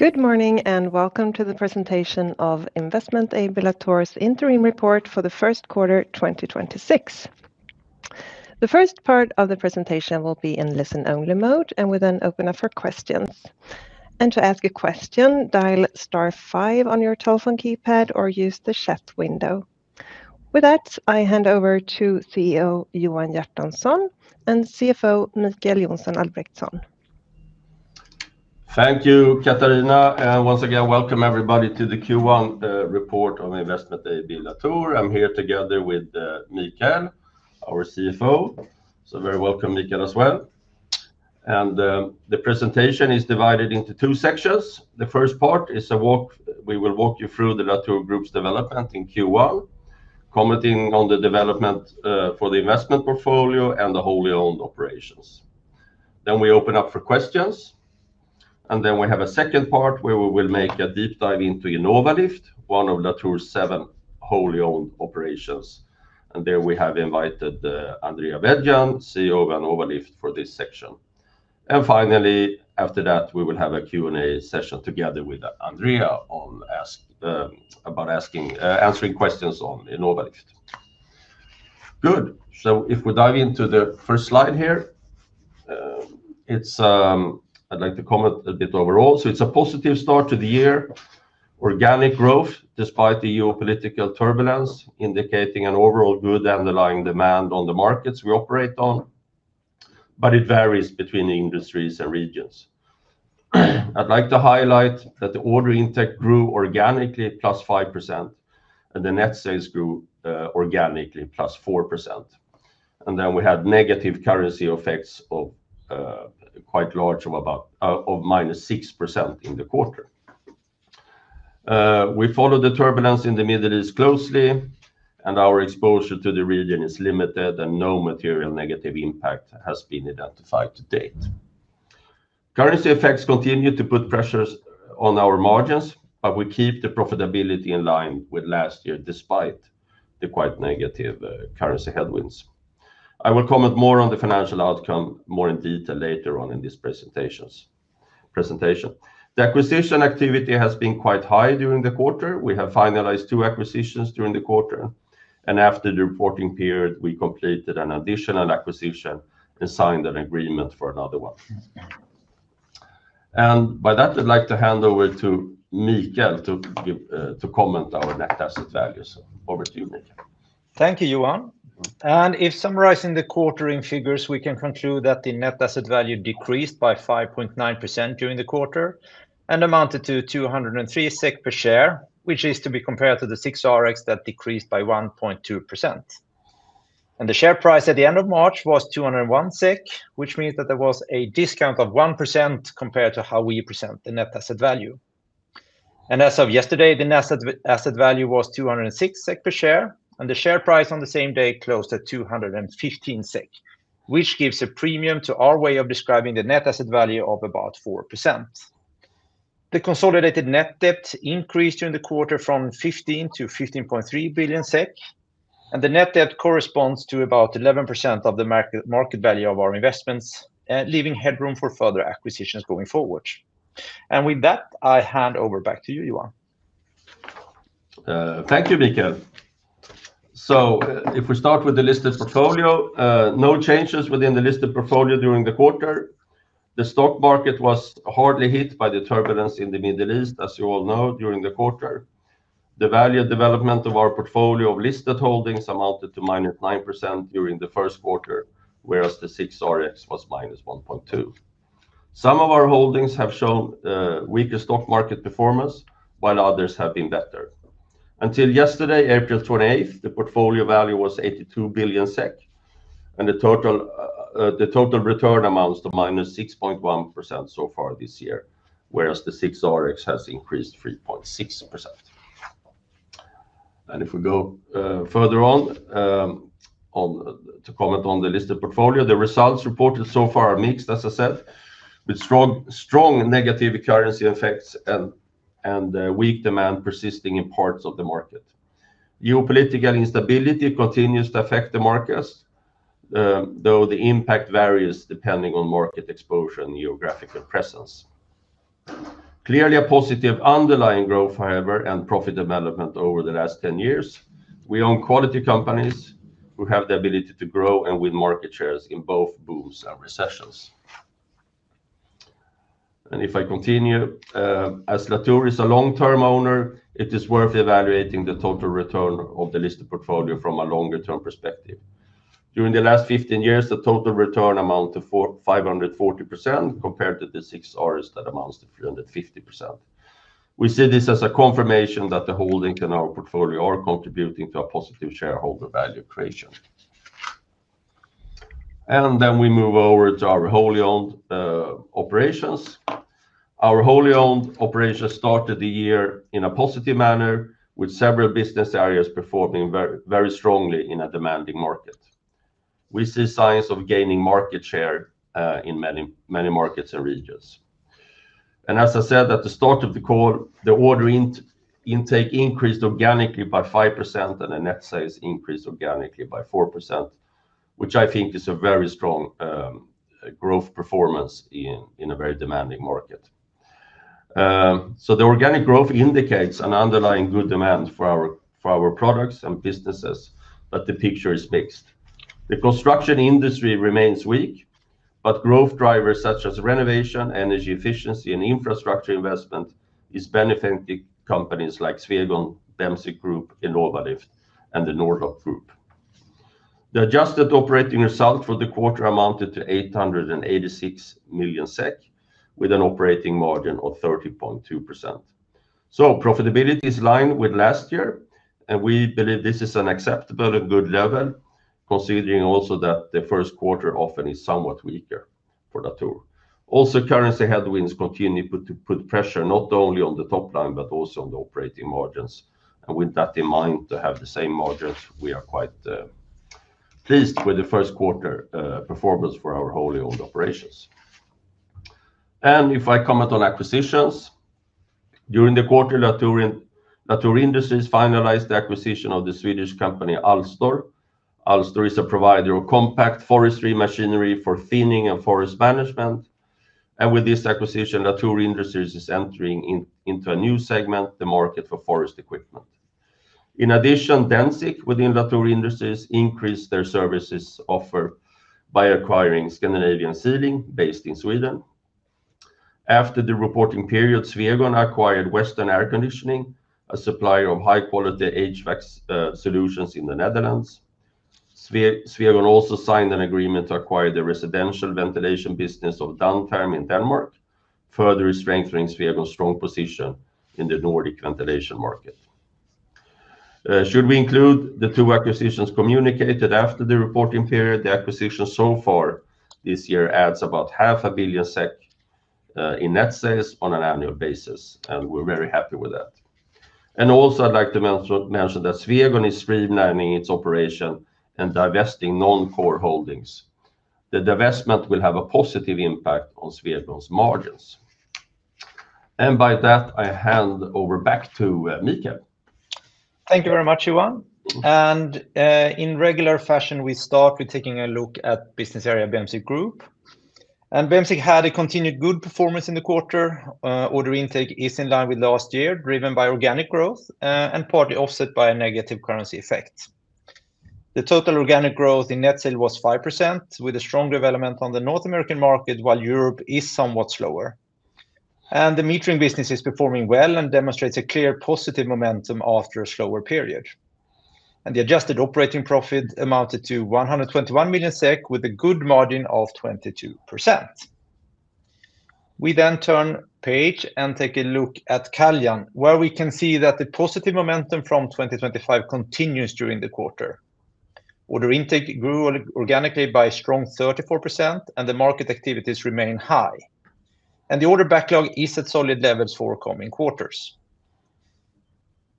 Good morning, welcome to the presentation of Investment AB Latour's Interim Report for the first quarter 2026. The first part of the presentation will be in listen-only mode, and we then open up for questions. To ask a question, dial star five on your telephone keypad or use the chat window. With that, I hand over to CEO Johan Hjertonsson and CFO Mikael Johnsson Albrektsson. Thank you, Katarina. Once again, welcome everybody to the Q1 report of Investment AB Latour. I'm here together with Mikael, our CFO, so very welcome Mikael as well. The presentation is divided into two sections. We will walk you through the Latour Group's development in Q1, commenting on the development for the investment portfolio and the wholly owned operations. We open up for questions, and then we have a second part where we will make a deep dive into Innovalift, one of Latour's seven wholly owned operations. There we have invited Andrea Veggian, CEO of Innovalift, for this section. Finally, after that, we will have a Q&A session together with Andrea on answering questions on Innovalift. Good. If we dive into the first slide here, it's... I'd like to comment a bit overall. It's a positive start to the year. Organic growth despite the geopolitical turbulence, indicating an overall good underlying demand on the markets we operate on, but it varies between industries and regions. I'd like to highlight that the order intake grew organically at +5%, and the net sales grew organically +4%. We had negative currency effects of quite large, of -6% in the quarter. We follow the turbulence in the Middle East closely, and our exposure to the region is limited, and no material negative impact has been identified to date. Currency effects continue to put pressures on our margins, but we keep the profitability in line with last year despite the quite negative currency headwinds. I will comment more on the financial outcome more in detail later on in this presentation. The acquisition activity has been quite high during the quarter. We have finalized two acquisitions during the quarter, and after the reporting period, we completed an additional acquisition and signed an agreement for another one. By that, I'd like to hand over to Mikael to comment our net asset value. Over to you, Mikael. Thank you, Johan. If summarizing the quarter in figures, we can conclude that the net asset value decreased by 5.9% during the quarter and amounted to 203 SEK per share, which is to be compared to the SIXRX that decreased by 1.2%. The share price at the end of March was 201 SEK, which means that there was a discount of 1% compared to how we present the net asset value. As of yesterday, the net asset value was 206 SEK per share, and the share price on the same day closed at 215 SEK, which gives a premium to our way of describing the net asset value of about 4%. The consolidated net debt increased during the quarter from 15 billion-15.3 billion SEK, and the net debt corresponds to about 11% of the market value of our investments, leaving headroom for further acquisitions going forward. With that, I hand over back to you, Johan. Thank you, Mikael. If we start with the listed portfolio, no changes within the listed portfolio during the quarter. The stock market was hardly hit by the turbulence in the Middle East, as you all know, during the quarter. The value development of our portfolio of listed holdings amounted to -9% during the first quarter, whereas the SIXRX was -1.2%. Some of our holdings have shown weaker stock market performance, while others have been better. Until yesterday, April 28th, the portfolio value was 82 billion SEK, and the total, the total return amounts to -6.1% so far this year, whereas the SIXRX has increased 3.6%. If we go further on, to comment on the listed portfolio, the results reported so far are mixed, as I said, with strong negative currency effects and weak demand persisting in parts of the market. Geopolitical instability continues to affect the markets, though the impact varies depending on market exposure and geographical presence. Clearly a positive underlying growth, however, and profit development over the last 10 years. We own quality companies who have the ability to grow and win market shares in both booms and recessions. If I continue, as Latour is a long-term owner, it is worth evaluating the total return of the listed portfolio from a longer-term perspective. During the last 15 years, the total return amount to 540% compared to the SIXRX that amounts to 350%. We see this as a confirmation that the holdings in our portfolio are contributing to a positive shareholder value creation. We move over to our wholly owned operations. Our wholly owned operations started the year in a positive manner, with several business areas performing very strongly in a demanding market. We see signs of gaining market share in many markets and regions. As I said at the start of the call, the order intake increased organically by 5%, and the net sales increased organically by 4%, which I think is a very strong growth performance in a very demanding market. The organic growth indicates an underlying good demand for our products and businesses, but the picture is mixed. The construction industry remains weak, growth drivers such as renovation, energy efficiency, and infrastructure investment is benefiting companies like Swegon, Bemsiq Group, Innovalift, and the Nord-Lock Group. The adjusted operating result for the quarter amounted to 886 million SEK, with an operating margin of 30.2%. Profitability is in line with last year, and we believe this is an acceptable and good level, considering also that the first quarter often is somewhat weaker for Latour. Also, currency headwinds continue to put pressure not only on the top line, but also on the operating margins. With that in mind, to have the same margins, we are quite pleased with the first quarter performance for our wholly owned operations. If I comment on acquisitions, during the quarter, Latour Industries finalized the acquisition of the Swedish company Alstor. Alstor is a provider of compact forestry machinery for thinning and forest management. With this acquisition, Latour Industries is entering into a new segment, the market for forest equipment. In addition, DENSIQ within Latour Industries increased their services offer by acquiring Scandinavian Sealing based in Sweden. After the reporting period, Swegon acquired Western Airconditioning, a supplier of high-quality HVAC solutions in the Netherlands. Swegon also signed an agreement to acquire the residential ventilation business of Dantherm in Denmark, further strengthening Swegon's strong position in the Nordic ventilation market. Should we include the two acquisitions communicated after the reporting period? The acquisition so far this year adds about 500 million SEK in net sales on an annual basis, we're very happy with that. Also, I'd like to mention that Swegon is streamlining its operation and divesting non-core holdings. The divestment will have a positive impact on Swegon's margins. By that, I hand over back to Mikael. Thank you very much, Johan. In regular fashion, we start with taking a look at business area Bemsiq Group. Bemsiq had a continued good performance in the quarter. Order intake is in line with last year, driven by organic growth, and partly offset by a negative currency effect. The total organic growth in net sales was 5%, with a strong development on the North American market, while Europe is somewhat slower. The metering business is performing well and demonstrates a clear positive momentum after a slower period. The adjusted operating profit amounted to 121 million SEK with a good margin of 22%. We then turn page and take a look at Caljan, where we can see that the positive momentum from 2025 continues during the quarter. Order intake grew organically by a strong 34%, and the market activities remain high. The order backlog is at solid levels for coming quarters.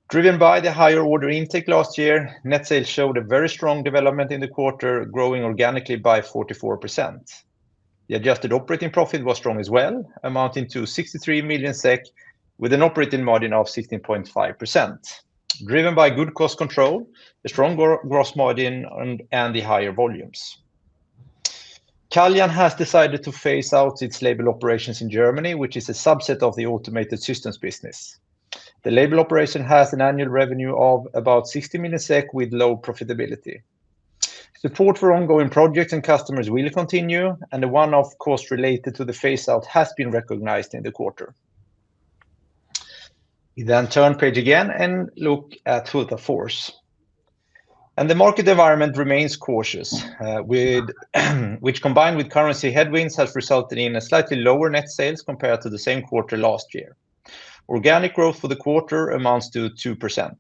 Driven by the higher order intake last year, net sales showed a very strong development in the quarter, growing organically by 44%. The adjusted operating profit was strong as well, amounting to 63 million SEK with an operating margin of 16.5%, driven by good cost control, a strong gross margin, and the higher volumes. Caljan has decided to phase out its label operations in Germany, which is a subset of the automated systems business. The label operation has an annual revenue of about 60 million SEK with low profitability. Support for ongoing projects and customers will continue, and the one-off cost related to the phase out has been recognized in the quarter. We turn page again and look at Hultafors. The market environment remains cautious, which combined with currency headwinds, has resulted in a slightly lower net sales compared to the same quarter last year. Organic growth for the quarter amounts to 2%.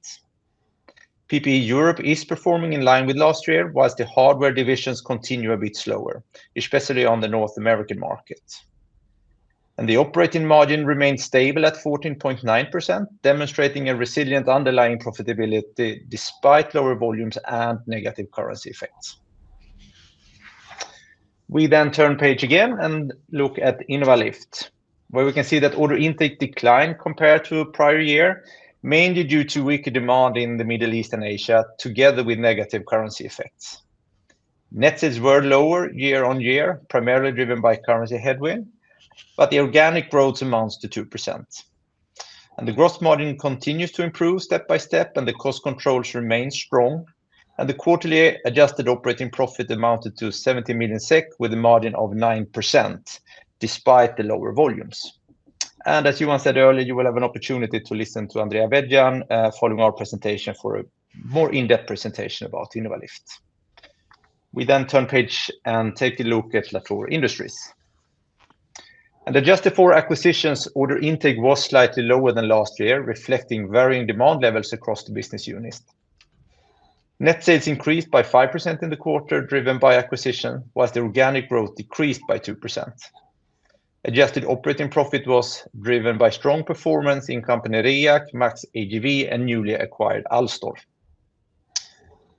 PPE Europe is performing in line with last year, whilst the hardware divisions continue a bit slower, especially on the North American market. The operating margin remains stable at 14.9%, demonstrating a resilient underlying profitability despite lower volumes and negative currency effects. We turn page again and look at Innovalift, where we can see that order intake declined compared to prior year, mainly due to weaker demand in the Middle East and Asia, together with negative currency effects. Net sales were lower year-over-year, primarily driven by currency headwind, but the organic growth amounts to 2%. The gross margin continues to improve step by step, and the cost controls remain strong. The quarterly adjusted operating profit amounted to 70 million SEK with a margin of 9% despite the lower volumes. As Johan said earlier, you will have an opportunity to listen to Andrea Veggian following our presentation for a more in-depth presentation about Innovalift. We turn page and take a look at Latour Industries. Adjusted for acquisitions, order intake was slightly lower than last year, reflecting varying demand levels across the business units. Net sales increased by 5% in the quarter, driven by acquisition, whilst the organic growth decreased by 2%. Adjusted operating profit was driven by strong performance in company REAC, MAXAGV, and newly acquired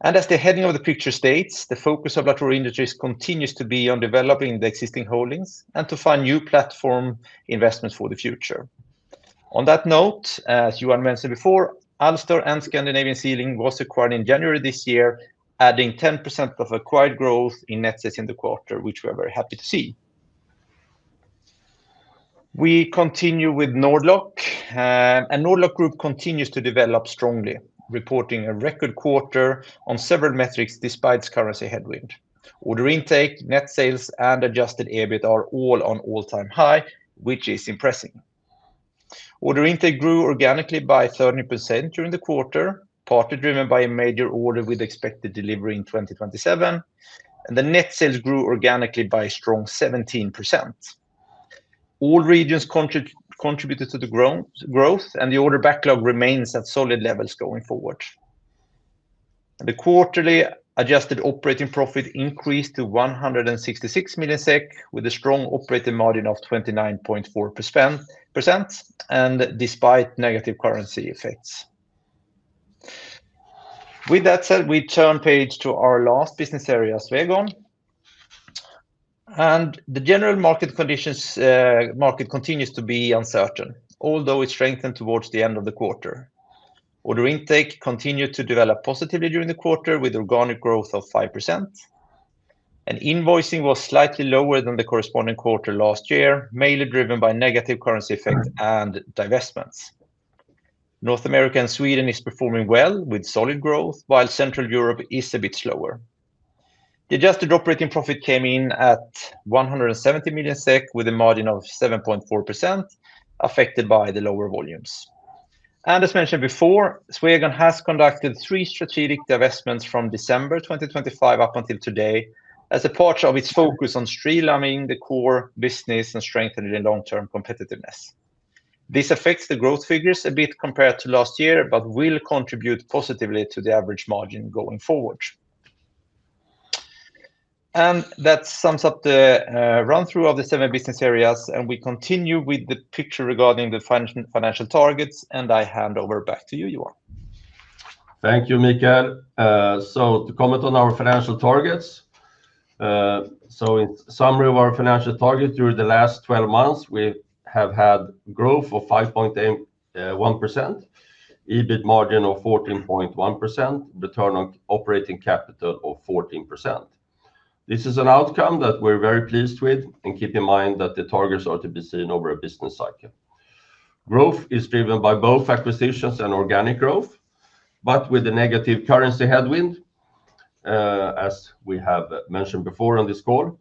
Alstor. As the heading of the picture states, the focus of Latour Industries continues to be on developing the existing holdings and to find new platform investments for the future. On that note, as Johan mentioned before, Alstor and Scandinavian Sealing was acquired in January this year, adding 10% of acquired growth in net sales in the quarter, which we are very happy to see. We continue with Nord-Lock. Nord-Lock Group continues to develop strongly, reporting a record quarter on several metrics despite currency headwind. Order intake, net sales, and adjusted EBIT are all on all-time high, which is impressing. Order intake grew organically by 30% during the quarter, partly driven by a major order with expected delivery in 2027. The net sales grew organically by a strong 17%. All regions contributed to the growth, the order backlog remains at solid levels going forward. The quarterly adjusted operating profit increased to 166 million SEK, with a strong operating margin of 29.4%, despite negative currency effects. With that said, we turn page to our last business area, Swegon. The general market conditions, market continues to be uncertain, although it strengthened towards the end of the quarter. Order intake continued to develop positively during the quarter with organic growth of 5%. Invoicing was slightly lower than the corresponding quarter last year, mainly driven by negative currency effect and divestments. North America and Sweden is performing well with solid growth, while Central Europe is a bit slower. The adjusted operating profit came in at 170 million SEK with a margin of 7.4% affected by the lower volumes. As mentioned before, Swegon has conducted three strategic divestments from December 2025 up until today as a part of its focus on streamlining the core business and strengthening long-term competitiveness. This affects the growth figures a bit compared to last year, but will contribute positively to the average margin going forward. That sums up the run through of the seven business areas, and we continue with the picture regarding the financial targets, and I hand over back to you, Johan. Thank you, Mikael. To comment on our financial targets, in summary of our financial targets during the last 12 months, we have had growth of 5.1%, EBIT margin of 14.1%, return on operating capital of 14%. This is an outcome that we're very pleased with. Keep in mind that the targets are to be seen over a business cycle. Growth is driven by both acquisitions and organic growth, with a negative currency headwind, as we have mentioned before on this call.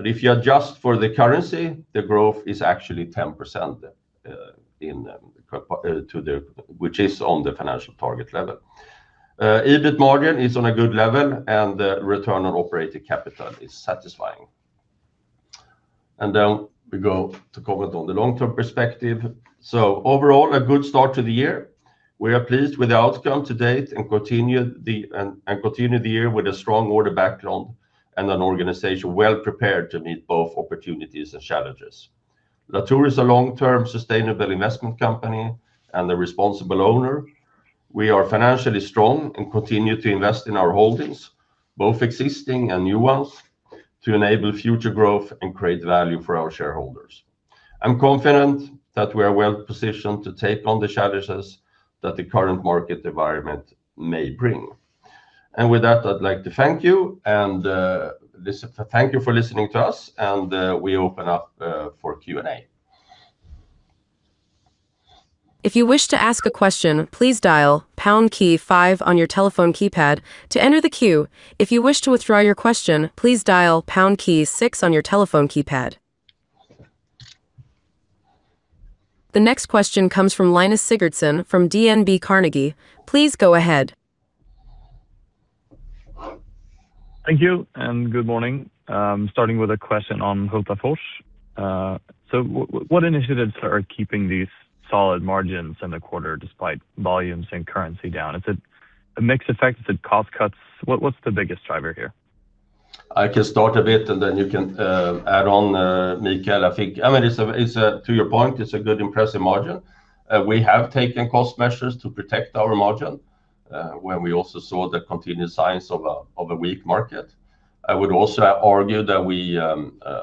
If you adjust for the currency, the growth is actually 10%, which is on the financial target level. EBIT margin is on a good level. The return on operating capital is satisfying. We go to comment on the long-term perspective. Overall, a good start to the year. We are pleased with the outcome to date and continue the year with a strong order backlog and an organization well prepared to meet both opportunities and challenges. Latour is a long-term sustainable investment company and a responsible owner. We are financially strong and continue to invest in our holdings, both existing and new ones, to enable future growth and create value for our shareholders. I'm confident that we are well-positioned to take on the challenges that the current market environment may bring. With that, I'd like to thank you and thank you for listening to us, and we open up for Q&A. The next question comes from Linus Sigurdson from DNB Carnegie. Please go ahead. Thank you, and good morning. Starting with a question on Hultafors. What initiatives are keeping these solid margins in the quarter despite volumes and currency down? Is it a mixed effect? Is it cost cuts? What's the biggest driver here? I can start a bit, and then you can add on, Mikael. I think, I mean, it's a, to your point, it's a good impressive margin. We have taken cost measures to protect our margin when we also saw the continued signs of a weak market. I would also argue that we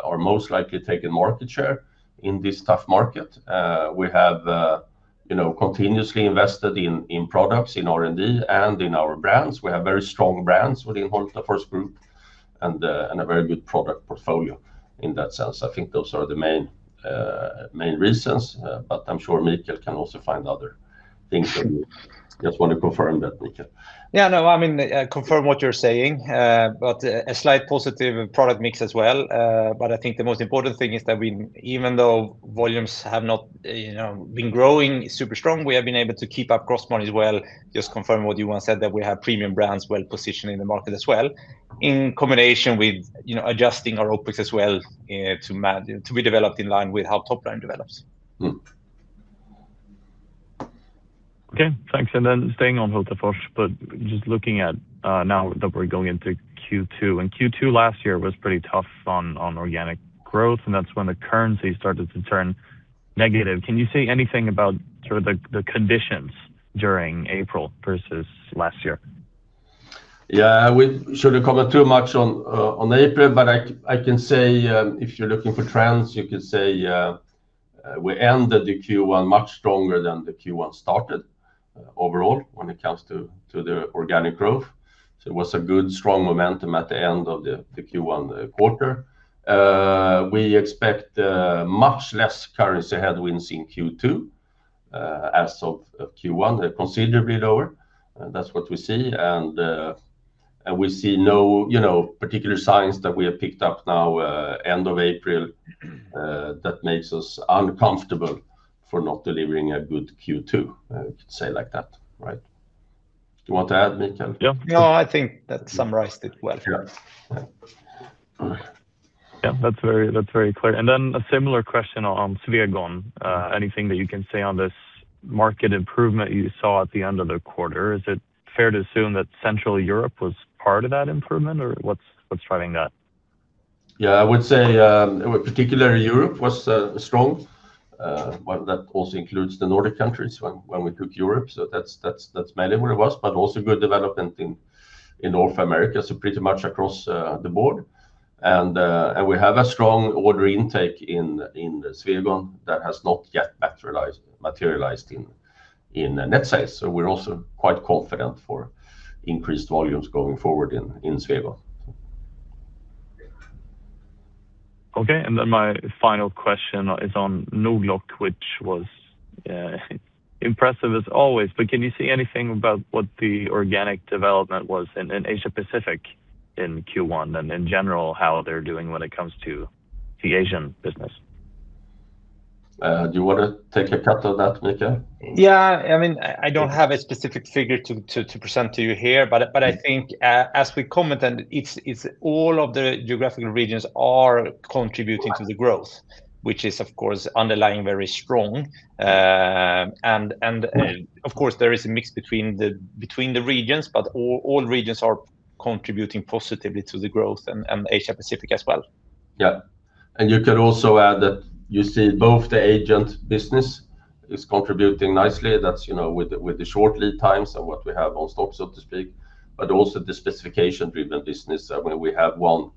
are most likely taking market share in this tough market. We have, you know, continuously invested in products, in R&D, and in our brands. We have very strong brands within Hultafors Group and a very good product portfolio in that sense. I think those are the main reasons, but I'm sure Mikael can also find other things that you just want to confirm that, Mikael. Yeah, no, I mean, confirm what you're saying, but a slight positive product mix as well. I think the most important thing is that we, even though volumes have not, you know, been growing super strong, we have been able to keep up gross margin as well. Just confirm what Johan said, that we have premium brands well-positioned in the market as well, in combination with, you know, adjusting our OpEx as well, to be developed in line with how top line develops. Mm. Okay. Thanks. Staying on Hultafors, but just looking at, now that we're going into Q2, and Q2 last year was pretty tough on organic growth, and that's when the currency started to turn negative. Can you say anything about sort of the conditions during April versus last year? Yeah, we shouldn't comment too much on April, but I can say, if you're looking for trends, you could say, we ended the Q1 much stronger than the Q1 started, overall when it comes to the organic growth. It was a good strong momentum at the end of the Q1 quarter. We expect much less currency headwinds in Q2 as of Q1. They're considerably lower. That's what we see. We see no, you know, particular signs that we have picked up now, end of April, that makes us uncomfortable for not delivering a good Q2. We could say like that, right? Do you want to add, Mikael? Yeah. No, I think that summarized it well. Yeah. Yeah. Yeah. That's very clear. A similar question on Swegon. Anything that you can say on this market improvement you saw at the end of the quarter? Is it fair to assume that Central Europe was part of that improvement or what's driving that? Yeah, I would say particularly Europe was strong. Well, that also includes the Nordic countries when we took Europe, so that's, that's mainly where it was, but also good development in North America, so pretty much across the board. We have a strong order intake in Swegon that has not yet materialized in net sales. We're also quite confident for increased volumes going forward in Swegon. Okay. My final question is on Nord-Lock, which was impressive as always. Can you say anything about what the organic development was in Asia-Pacific in Q1 and in general, how they're doing when it comes to the Asian business? Do you wanna take a cut of that, Mikael? I mean, I don't have a specific figure to present to you here, but I think as we commented, it's all of the geographical regions are contributing to the growth, which is of course underlying very strong. Of course, there is a mix between the regions, but all regions are contributing positively to the growth and Asia-Pacific as well. Yeah. You could also add that you see both the agent business is contributing nicely. That's, you know, with the short lead times and what we have on stock, so to speak, but also the specification-driven business, when we have one,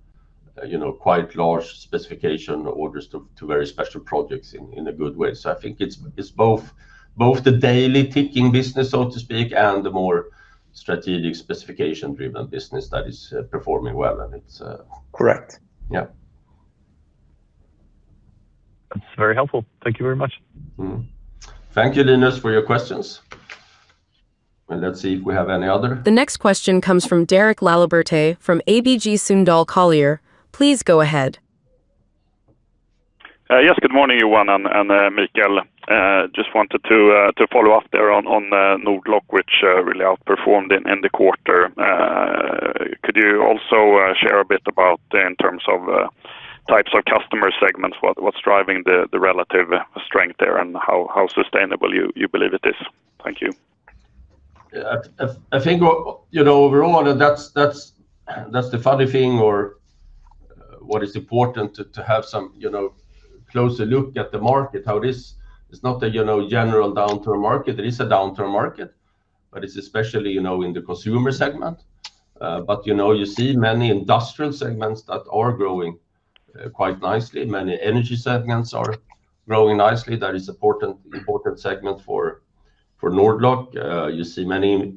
you know, quite large specification orders to very special projects in a good way. I think it's both the daily ticking business, so to speak, and the more strategic specification-driven business that is performing well and it's. Correct. Yeah. That's very helpful. Thank you very much. Thank you, Linus, for your questions. Let's see if we have any other. The next question comes from Derek Laliberté from ABG Sundal Collier. Please go ahead. Yes. Good morning, Johan and Mikael. Just wanted to follow up there on Nord-Lock, which really outperformed in the quarter. Could you also share a bit about in terms of types of customer segments, what's driving the relative strength there and how sustainable you believe it is? Thank you. Yeah. I think you know, overall, and that's the funny thing or what is important to have some, you know, closer look at the market, how it is. It's not a, you know, general downturn market. There is a downturn market, but it's especially, you know, in the consumer segment. You know, you see many industrial segments that are growing quite nicely. Many energy segments are growing nicely. That is important segment for Nord-Lock. You see many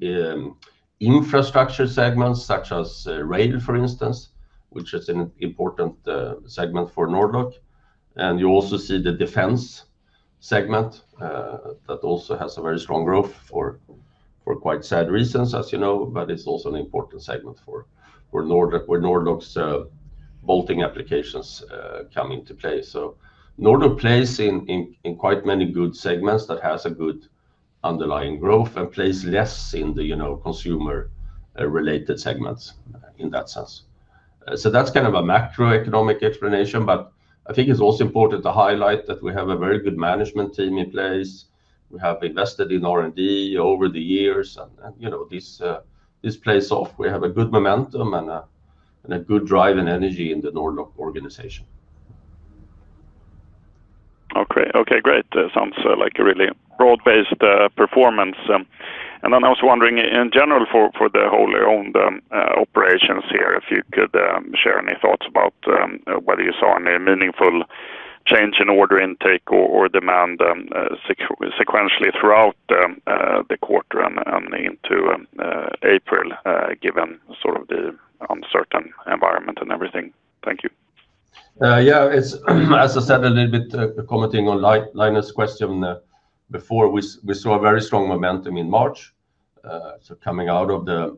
infrastructure segments such as rail, for instance, which is an important segment for Nord-Lock. You also see the defense segment that also has a very strong growth for quite sad reasons, as you know, but it's also an important segment for where Nord-Lock's bolting applications come into play. Nord-Lock plays in quite many good segments that has a good underlying growth and plays less in the, you know, consumer related segments in that sense. That's kind of a macroeconomic explanation, but I think it's also important to highlight that we have a very good management team in place. We have invested in R&D over the years, and, you know, this plays off. We have a good momentum and a good drive and energy in the Nord-Lock organization. Okay. Okay, great. Sounds like a really broad-based performance. I was wondering in general for the wholly owned operations here, if you could share any thoughts about whether you saw any meaningful change in order intake or demand sequentially throughout the quarter and into April, given sort of the uncertain environment and everything. Thank you. Yeah. It's, as I said, a little bit commenting on Linus' question, before we saw a very strong momentum in March, so coming out of the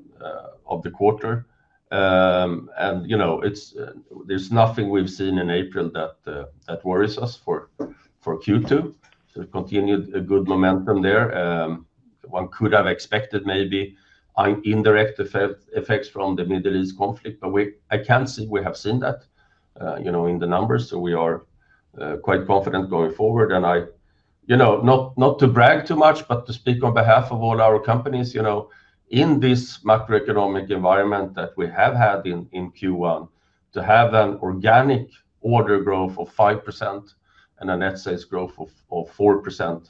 quarter. You know, it's, there's nothing we've seen in April that worries us for Q2. Continued a good momentum there. One could have expected maybe indirect effects from the Middle East conflict, but I can't say we have seen that, you know, in the numbers. We are quite confident going forward. I, you know, not to brag too much, but to speak on behalf of all our companies, you know, in this macroeconomic environment that we have had in Q1, to have an organic order growth of 5% and a net sales growth of 4%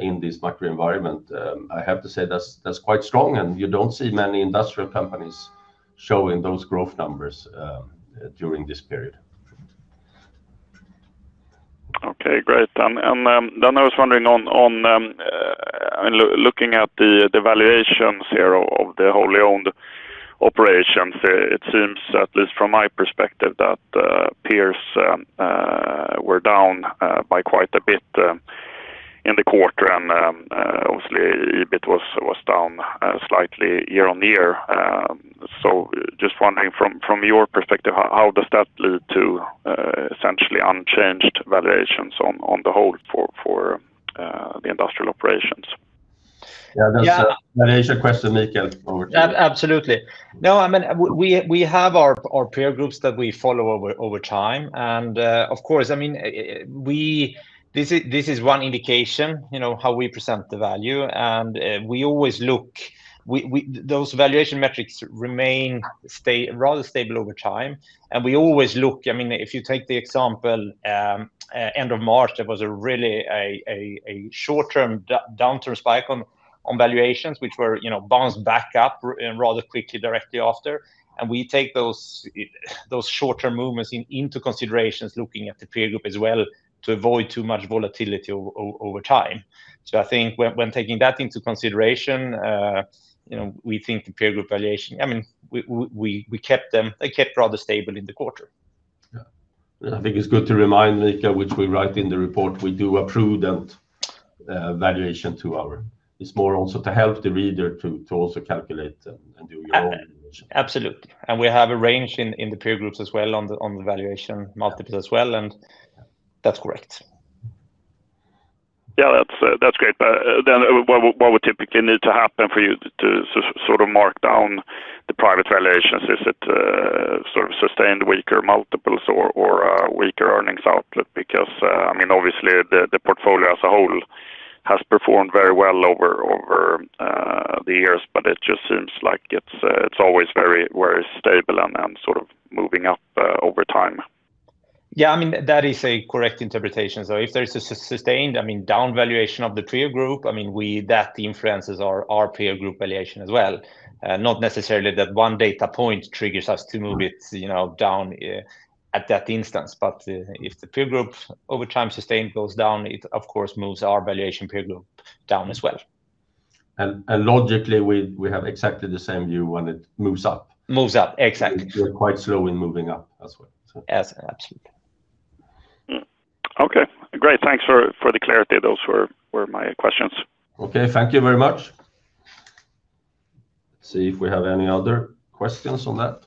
in this macro environment, I have to say that's quite strong, and you don't see many industrial companies showing those growth numbers during this period. Okay, great. Then I was wondering on, I mean, looking at the valuations here of the wholly owned operations, it seems, at least from my perspective, that peers were down by quite a bit in the quarter. Obviously EBIT was down slightly year-on-year. Just wondering from your perspective, how does that lead to essentially unchanged valuations on the whole for the industrial operations? Yeah, that's a. Yeah valuation question, Mikael, over to you. Absolutely. No, I mean, we have our peer groups that we follow over time. Of course, I mean, this is one indication, you know, how we present the value. Those valuation metrics remain rather stable over time. I mean, if you take the example, end of March, there was a really a short-term downturn spike on valuations, which were, you know, bounced back up rather quickly directly after. We take those short-term movements into considerations looking at the peer group as well to avoid too much volatility over time. I think when taking that into consideration, you know, we think the peer group valuation, I mean, they kept rather stable in the quarter. I think it's good to remind, Mikael, which we write in the report, we do a prudent valuation. It's more also to help the reader to also calculate and do your own valuation. Absolutely. We have a range in the peer groups as well on the valuation multiples as well, and that's correct. Yeah, that's great. What would typically need to happen for you to sort of mark down the private valuations? Is it sort of sustained weaker multiples or a weaker earnings outlook? I mean, obviously the portfolio as a whole has performed very well over the years, but it just seems like it's always very, very stable and sort of moving up over time. Yeah, I mean, that is a correct interpretation. If there's a sustained, I mean, down valuation of the peer group, I mean, that influences our peer group valuation as well. Not necessarily that one data point triggers us to move it, you know, down at that instance. If the peer group over time sustained goes down, it of course moves our valuation peer group down as well. Logically, we have exactly the same view when it moves up. Moves up, exactly. We're quite slow in moving up as well. As-absolutely. Okay, great. Thanks for the clarity. Those were my questions. Okay, thank you very much. Let's see if we have any other questions on that.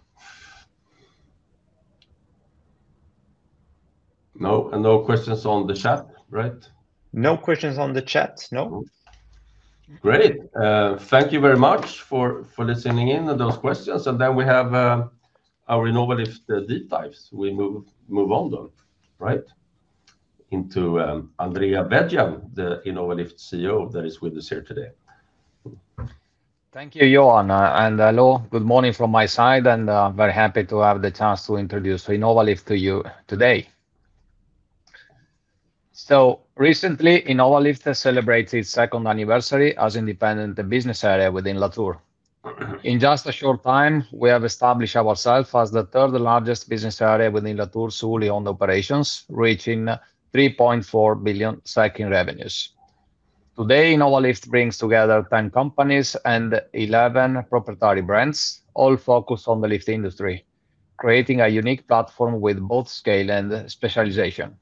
No. No questions on the chat, right? No questions on the chat. No. Great. Thank you very much for listening in on those questions. Then we have our Innovalift deep dives. We move on then, right, into Andrea Veggian, the Innovalift CEO that is with us here today. Thank you, Johan, and hello. Good morning from my side, and very happy to have the chance to introduce Innovalift to you today. Recently, Innovalift has celebrated second anniversary as independent business area within Latour. In just a short time, we have established ourself as the third largest business area within Latour's wholly owned operations, reaching 3.4 billion in revenues. Today, Innovalift brings together 10 companies and 11 proprietary brands, all focused on the lift industry, creating a unique platform with both scale and specialization.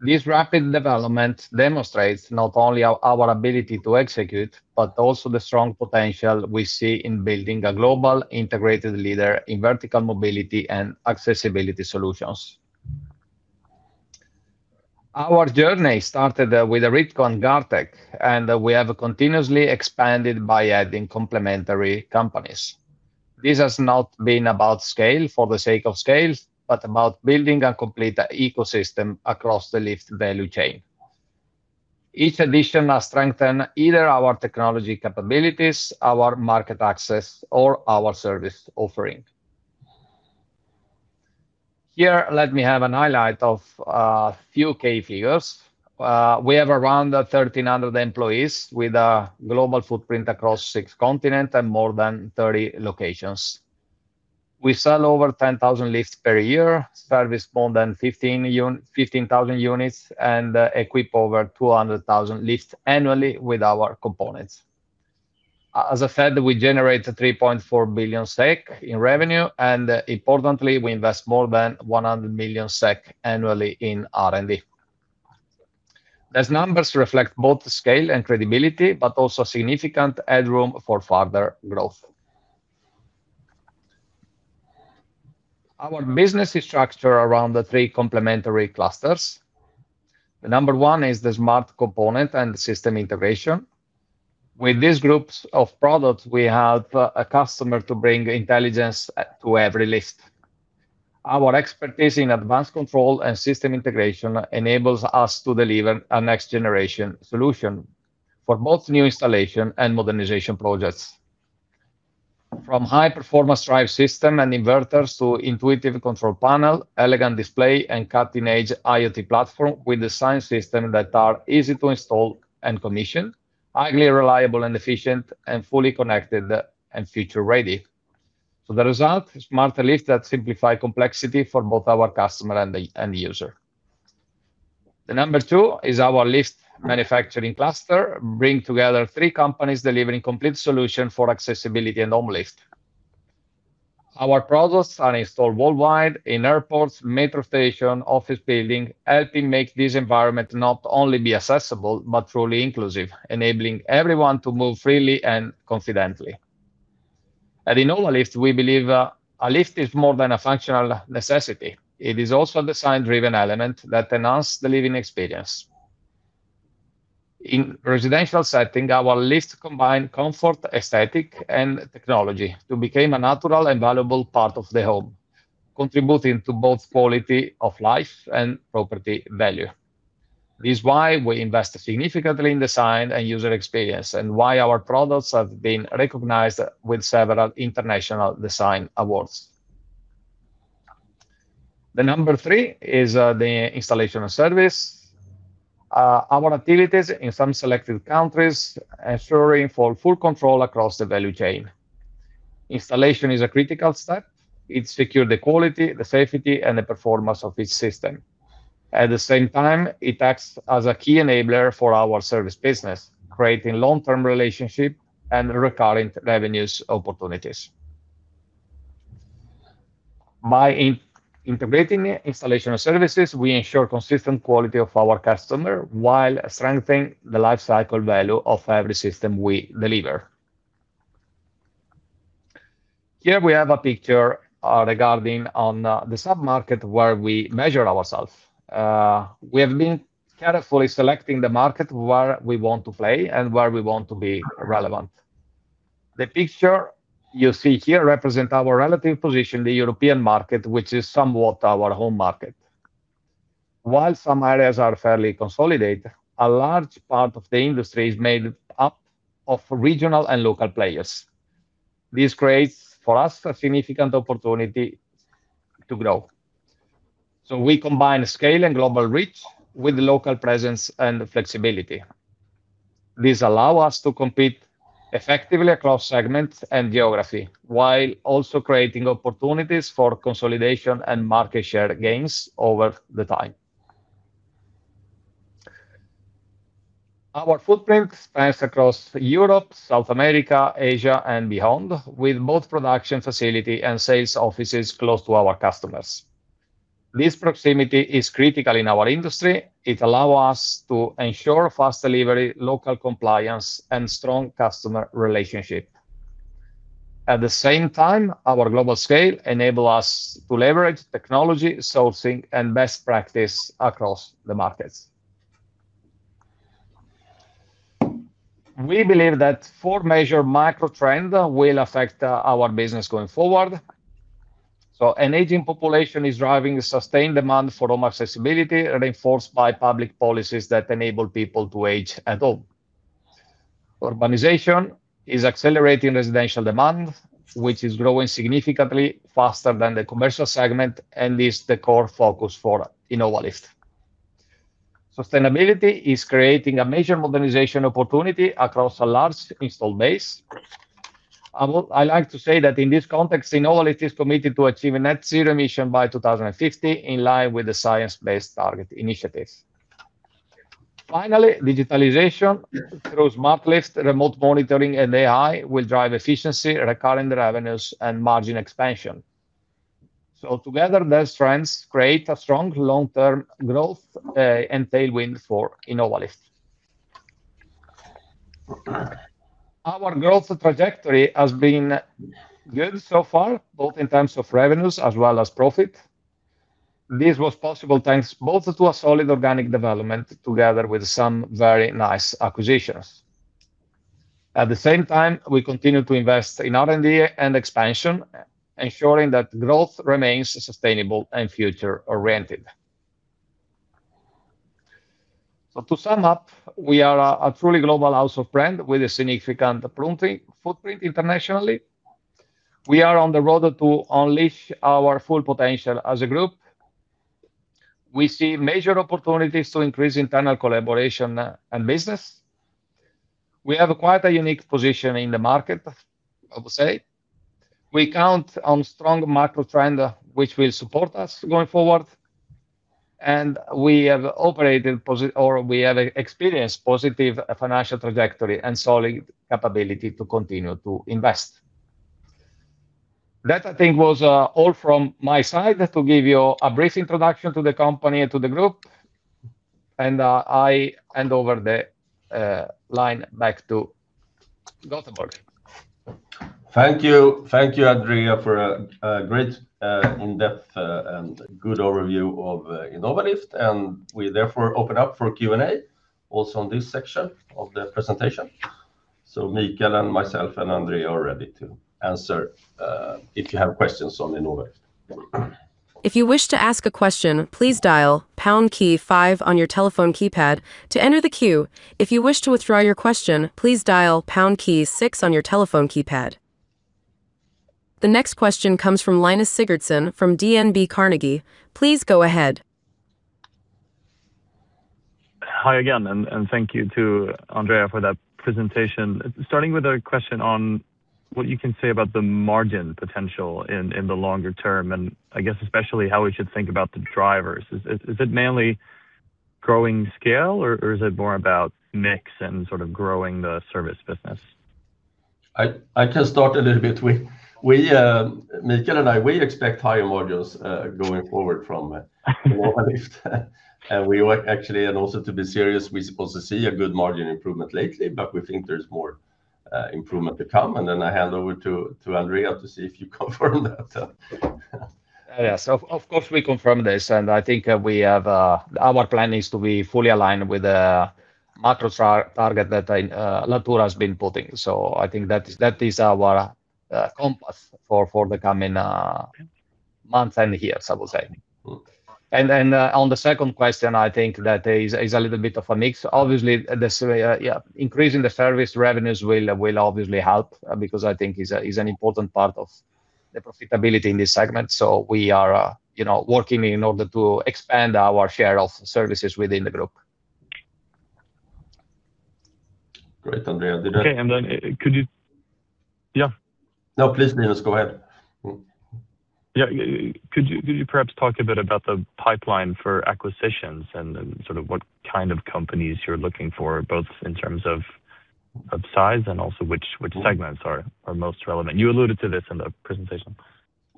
This rapid development demonstrates not only our ability to execute, but also the strong potential we see in building a global integrated leader in vertical mobility and accessibility solutions. Our journey started with Ridcon and Gartec, and we have continuously expanded by adding complementary companies. This has not been about scale for the sake of scale, but about building a complete ecosystem across the lift value chain. Each addition has strengthened either our technology capabilities, our market access, or our service offering. Here, let me have a highlight of a few key figures. We have around 1,300 employees with a global footprint across six continents and more than 30 locations. We sell over 10,000 lifts per year, service more than 15,000 units, and equip over 200,000 lifts annually with our components. As I said, we generate 3.4 billion SEK in revenue, and importantly, we invest more than 100 million SEK annually in R&D. These numbers reflect both scale and credibility, but also significant headroom for further growth. Our business is structured around the three complementary clusters. The number one is the smart component and system integration. With these groups of products, we help a customer to bring intelligence to every lift. Our expertise in advanced control and system integration enables us to deliver a next generation solution for both new installation and modernization projects. From high-performance drive system and inverters to intuitive control panel, elegant display, and cutting-edge IoT platform with design system that are easy to install and commission, highly reliable and efficient, and fully connected and future-ready. The result, smart lifts that simplify complexity for both our customer and the user. The number two is our lift manufacturing cluster, bring together three companies delivering complete solution for accessibility and home lift. Our products are installed worldwide in airports, metro station, office building, helping make this environment not only be accessible, but truly inclusive, enabling everyone to move freely and confidently. At Innovalift, we believe a lift is more than a functional necessity. It is also a design-driven element that enhance the living experience. In residential setting, our lifts combine comfort, aesthetic, and technology to became a natural and valuable part of the home, contributing to both quality of life and property value. This is why we invest significantly in design and user experience, and why our products have been recognized with several international design awards. The number three is the installation and service. Our activities in some selected countries ensuring for full control across the value chain. Installation is a critical step. It secure the quality, the safety, and the performance of each system. At the same time, it acts as a key enabler for our service business, creating long-term relationship and recurring revenues opportunities. By integrating installation services, we ensure consistent quality of our customer while strengthening the lifecycle value of every system we deliver. Here we have a picture, regarding on the sub-market where we measure ourself. We have been carefully selecting the market where we want to play and where we want to be relevant. The picture you see here represent our relative position, the European market, which is somewhat our home market. While some areas are fairly consolidated, a large part of the industry is made up of regional and local players. This creates for us a significant opportunity to grow. We combine scale and global reach with local presence and flexibility. This allow us to compete effectively across segments and geography, while also creating opportunities for consolidation and market share gains over the time. Our footprint spans across Europe, South America, Asia, and beyond, with both production facility and sales offices close to our customers. This proximity is critical in our industry. It allow us to ensure fast delivery, local compliance, and strong customer relationship. At the same time, our global scale enable us to leverage technology, sourcing, and best practice across the markets. We believe that four major macro trend will affect our business going forward. An aging population is driving sustained demand for home accessibility, reinforced by public policies that enable people to age at home. Urbanization is accelerating residential demand, which is growing significantly faster than the commercial segment and is the core focus for Innovalift. Sustainability is creating a major modernization opportunity across a large installed base. I like to say that in this context, Innovalift is committed to achieve a net zero emission by 2050 in line. Finally, digitalization through smart lifts, remote monitoring, and AI will drive efficiency, recurring revenues, and margin expansion. Together, those trends create a strong long-term growth and tailwind for Innovalift. Our growth trajectory has been good so far, both in terms of revenues as well as profit. This was possible thanks both to a solid organic development together with some very nice acquisitions. At the same time, we continue to invest in R&D and expansion, ensuring that growth remains sustainable and future-oriented. To sum up, we are a truly global house of brand with a significant footprint internationally. We are on the road to unleash our full potential as a group. We see major opportunities to increase internal collaboration and business. We have quite a unique position in the market, I would say. We count on strong macro trend which will support us going forward, and we have experienced positive financial trajectory and solid capability to continue to invest. That, I think, was all from my side to give you a brief introduction to the company and to the group, and I hand over the line back to Johan. Thank you. Thank you, Andrea, for a great in-depth and good overview of Innovalift. We therefore open up for Q&A also on this section of the presentation. Mikael and myself and Andrea are ready to answer if you have questions on Innovalift. The next question comes from Linus Sigurdson from DNB Carnegie. Please go ahead. Hi again, and thank you to Andrea for that presentation. Starting with a question on what you can say about the margin potential in the longer term, and I guess especially how we should think about the drivers. Is it mainly growing scale or is it more about mix and sort of growing the service business? I can start a little bit. Mikael and I, we expect higher margins going forward from Innovalift. Also to be serious, we're supposed to see a good margin improvement lately, but we think there's more improvement to come. Then I hand over to Andrea to see if you confirm that. Yeah. Of course we confirm this. Our plan is to be fully aligned with the macro target that Latour has been putting. I think that is, that is our compass for the coming months and years, I would say. Mm. Then, on the second question, I think that is a little bit of a mix. Obviously, increasing the service revenues will obviously help, because I think is an important part of the profitability in this segment. We are, you know, working in order to expand our share of services within the group. Great, Andrea. Okay. Yeah. No, please, Linus, go ahead. Yeah. Could you perhaps talk a bit about the pipeline for acquisitions and sort of what kind of companies you're looking for, both in terms of size and also which segments are most relevant? You alluded to this in the presentation.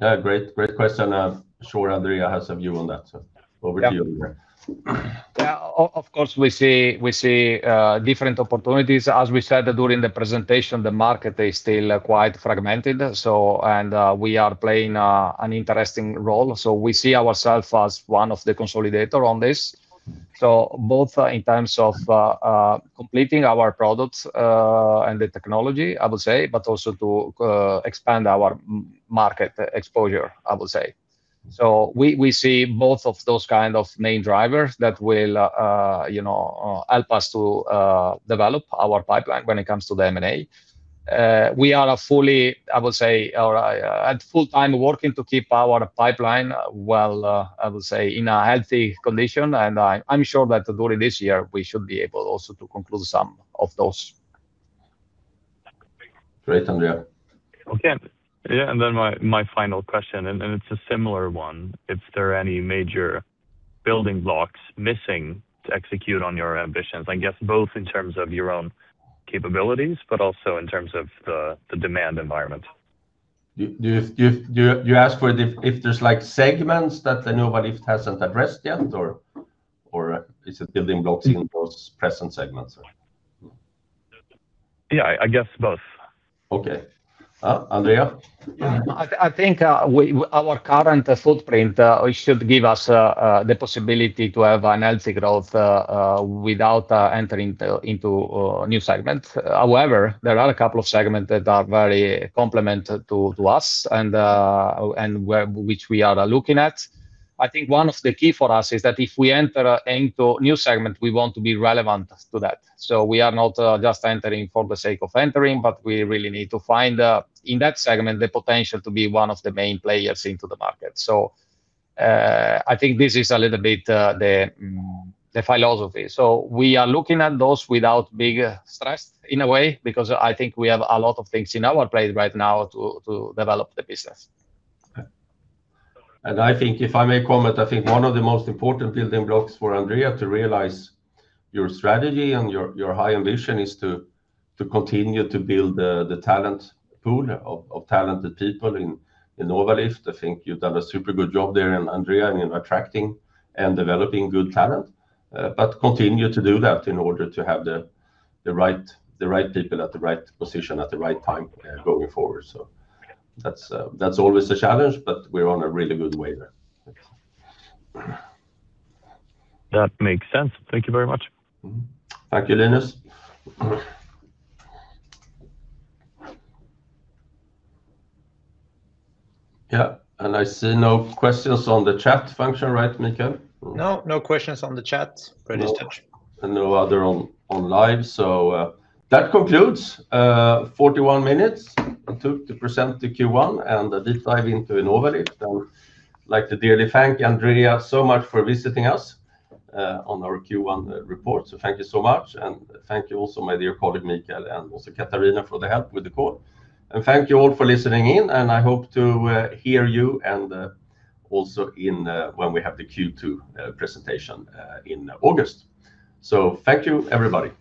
Yeah, great. Great question. I'm sure Andrea has a view on that. Over to you, Andrea. Yeah. Of course, we see different opportunities. As we said during the presentation, the market is still quite fragmented. We are playing an interesting role. We see ourself as one of the consolidator on this. Both in terms of completing our products and the technology, I would say, but also to expand our market exposure, I would say. We see both of those kind of main drivers that will, you know, help us to develop our pipeline when it comes to the M&A. We are fully, I would say, or at full time working to keep our pipeline while I would say in a healthy condition. I'm sure that during this year we should be able also to conclude some of those. Great, Andrea. Okay. Yeah. My final question, and it's a similar one. If there are any major building blocks missing to execute on your ambitions, I guess both in terms of your own capabilities, but also in terms of the demand environment. You ask for if there's like segments that Innovalift hasn't addressed yet or is it building blocks in those present segments? Yeah, I guess both. Okay. Andrea? I think our current footprint should give us the possibility to have a healthy growth without entering into a new segment. However, there are a couple of segments that are very complementary to us and which we are looking at. I think one of the keys for us is that if we enter into new segments, we want to be relevant to that. We are not just entering for the sake of entering, but we really need to find in that segment the potential to be one of the main players into the market. I think this is a little bit the philosophy. We are looking at those without big stress in a way, because I think we have a lot of things in our plate right now to develop the business. I think if I may comment, I think one of the most important building blocks for Andrea to realize your high ambition is to continue to build the talent pool of talented people in Innovalift. I think you've done a super good job there, Andrea, in attracting and developing good talent. Continue to do that in order to have the right people at the right position at the right time going forward. That's always a challenge, but we're on a really good way there. That makes sense. Thank you very much. Mm-hmm. Thank you, Linus. Yeah. I see no questions on the chat function, right, Mikael? No, no questions on the chat. No. No other on live. That concludes 41 minutes it took to present the Q1 and a deep dive into Innovalift. I would like to dearly thank Andrea so much for visiting us on our Q1 report. Thank you so much. Thank you also my dear colleague, Mikael, and also Katarina for the help with the call. Thank you all for listening in, and I hope to hear you and also in when we have the Q2 presentation in August. Thank you, everybody.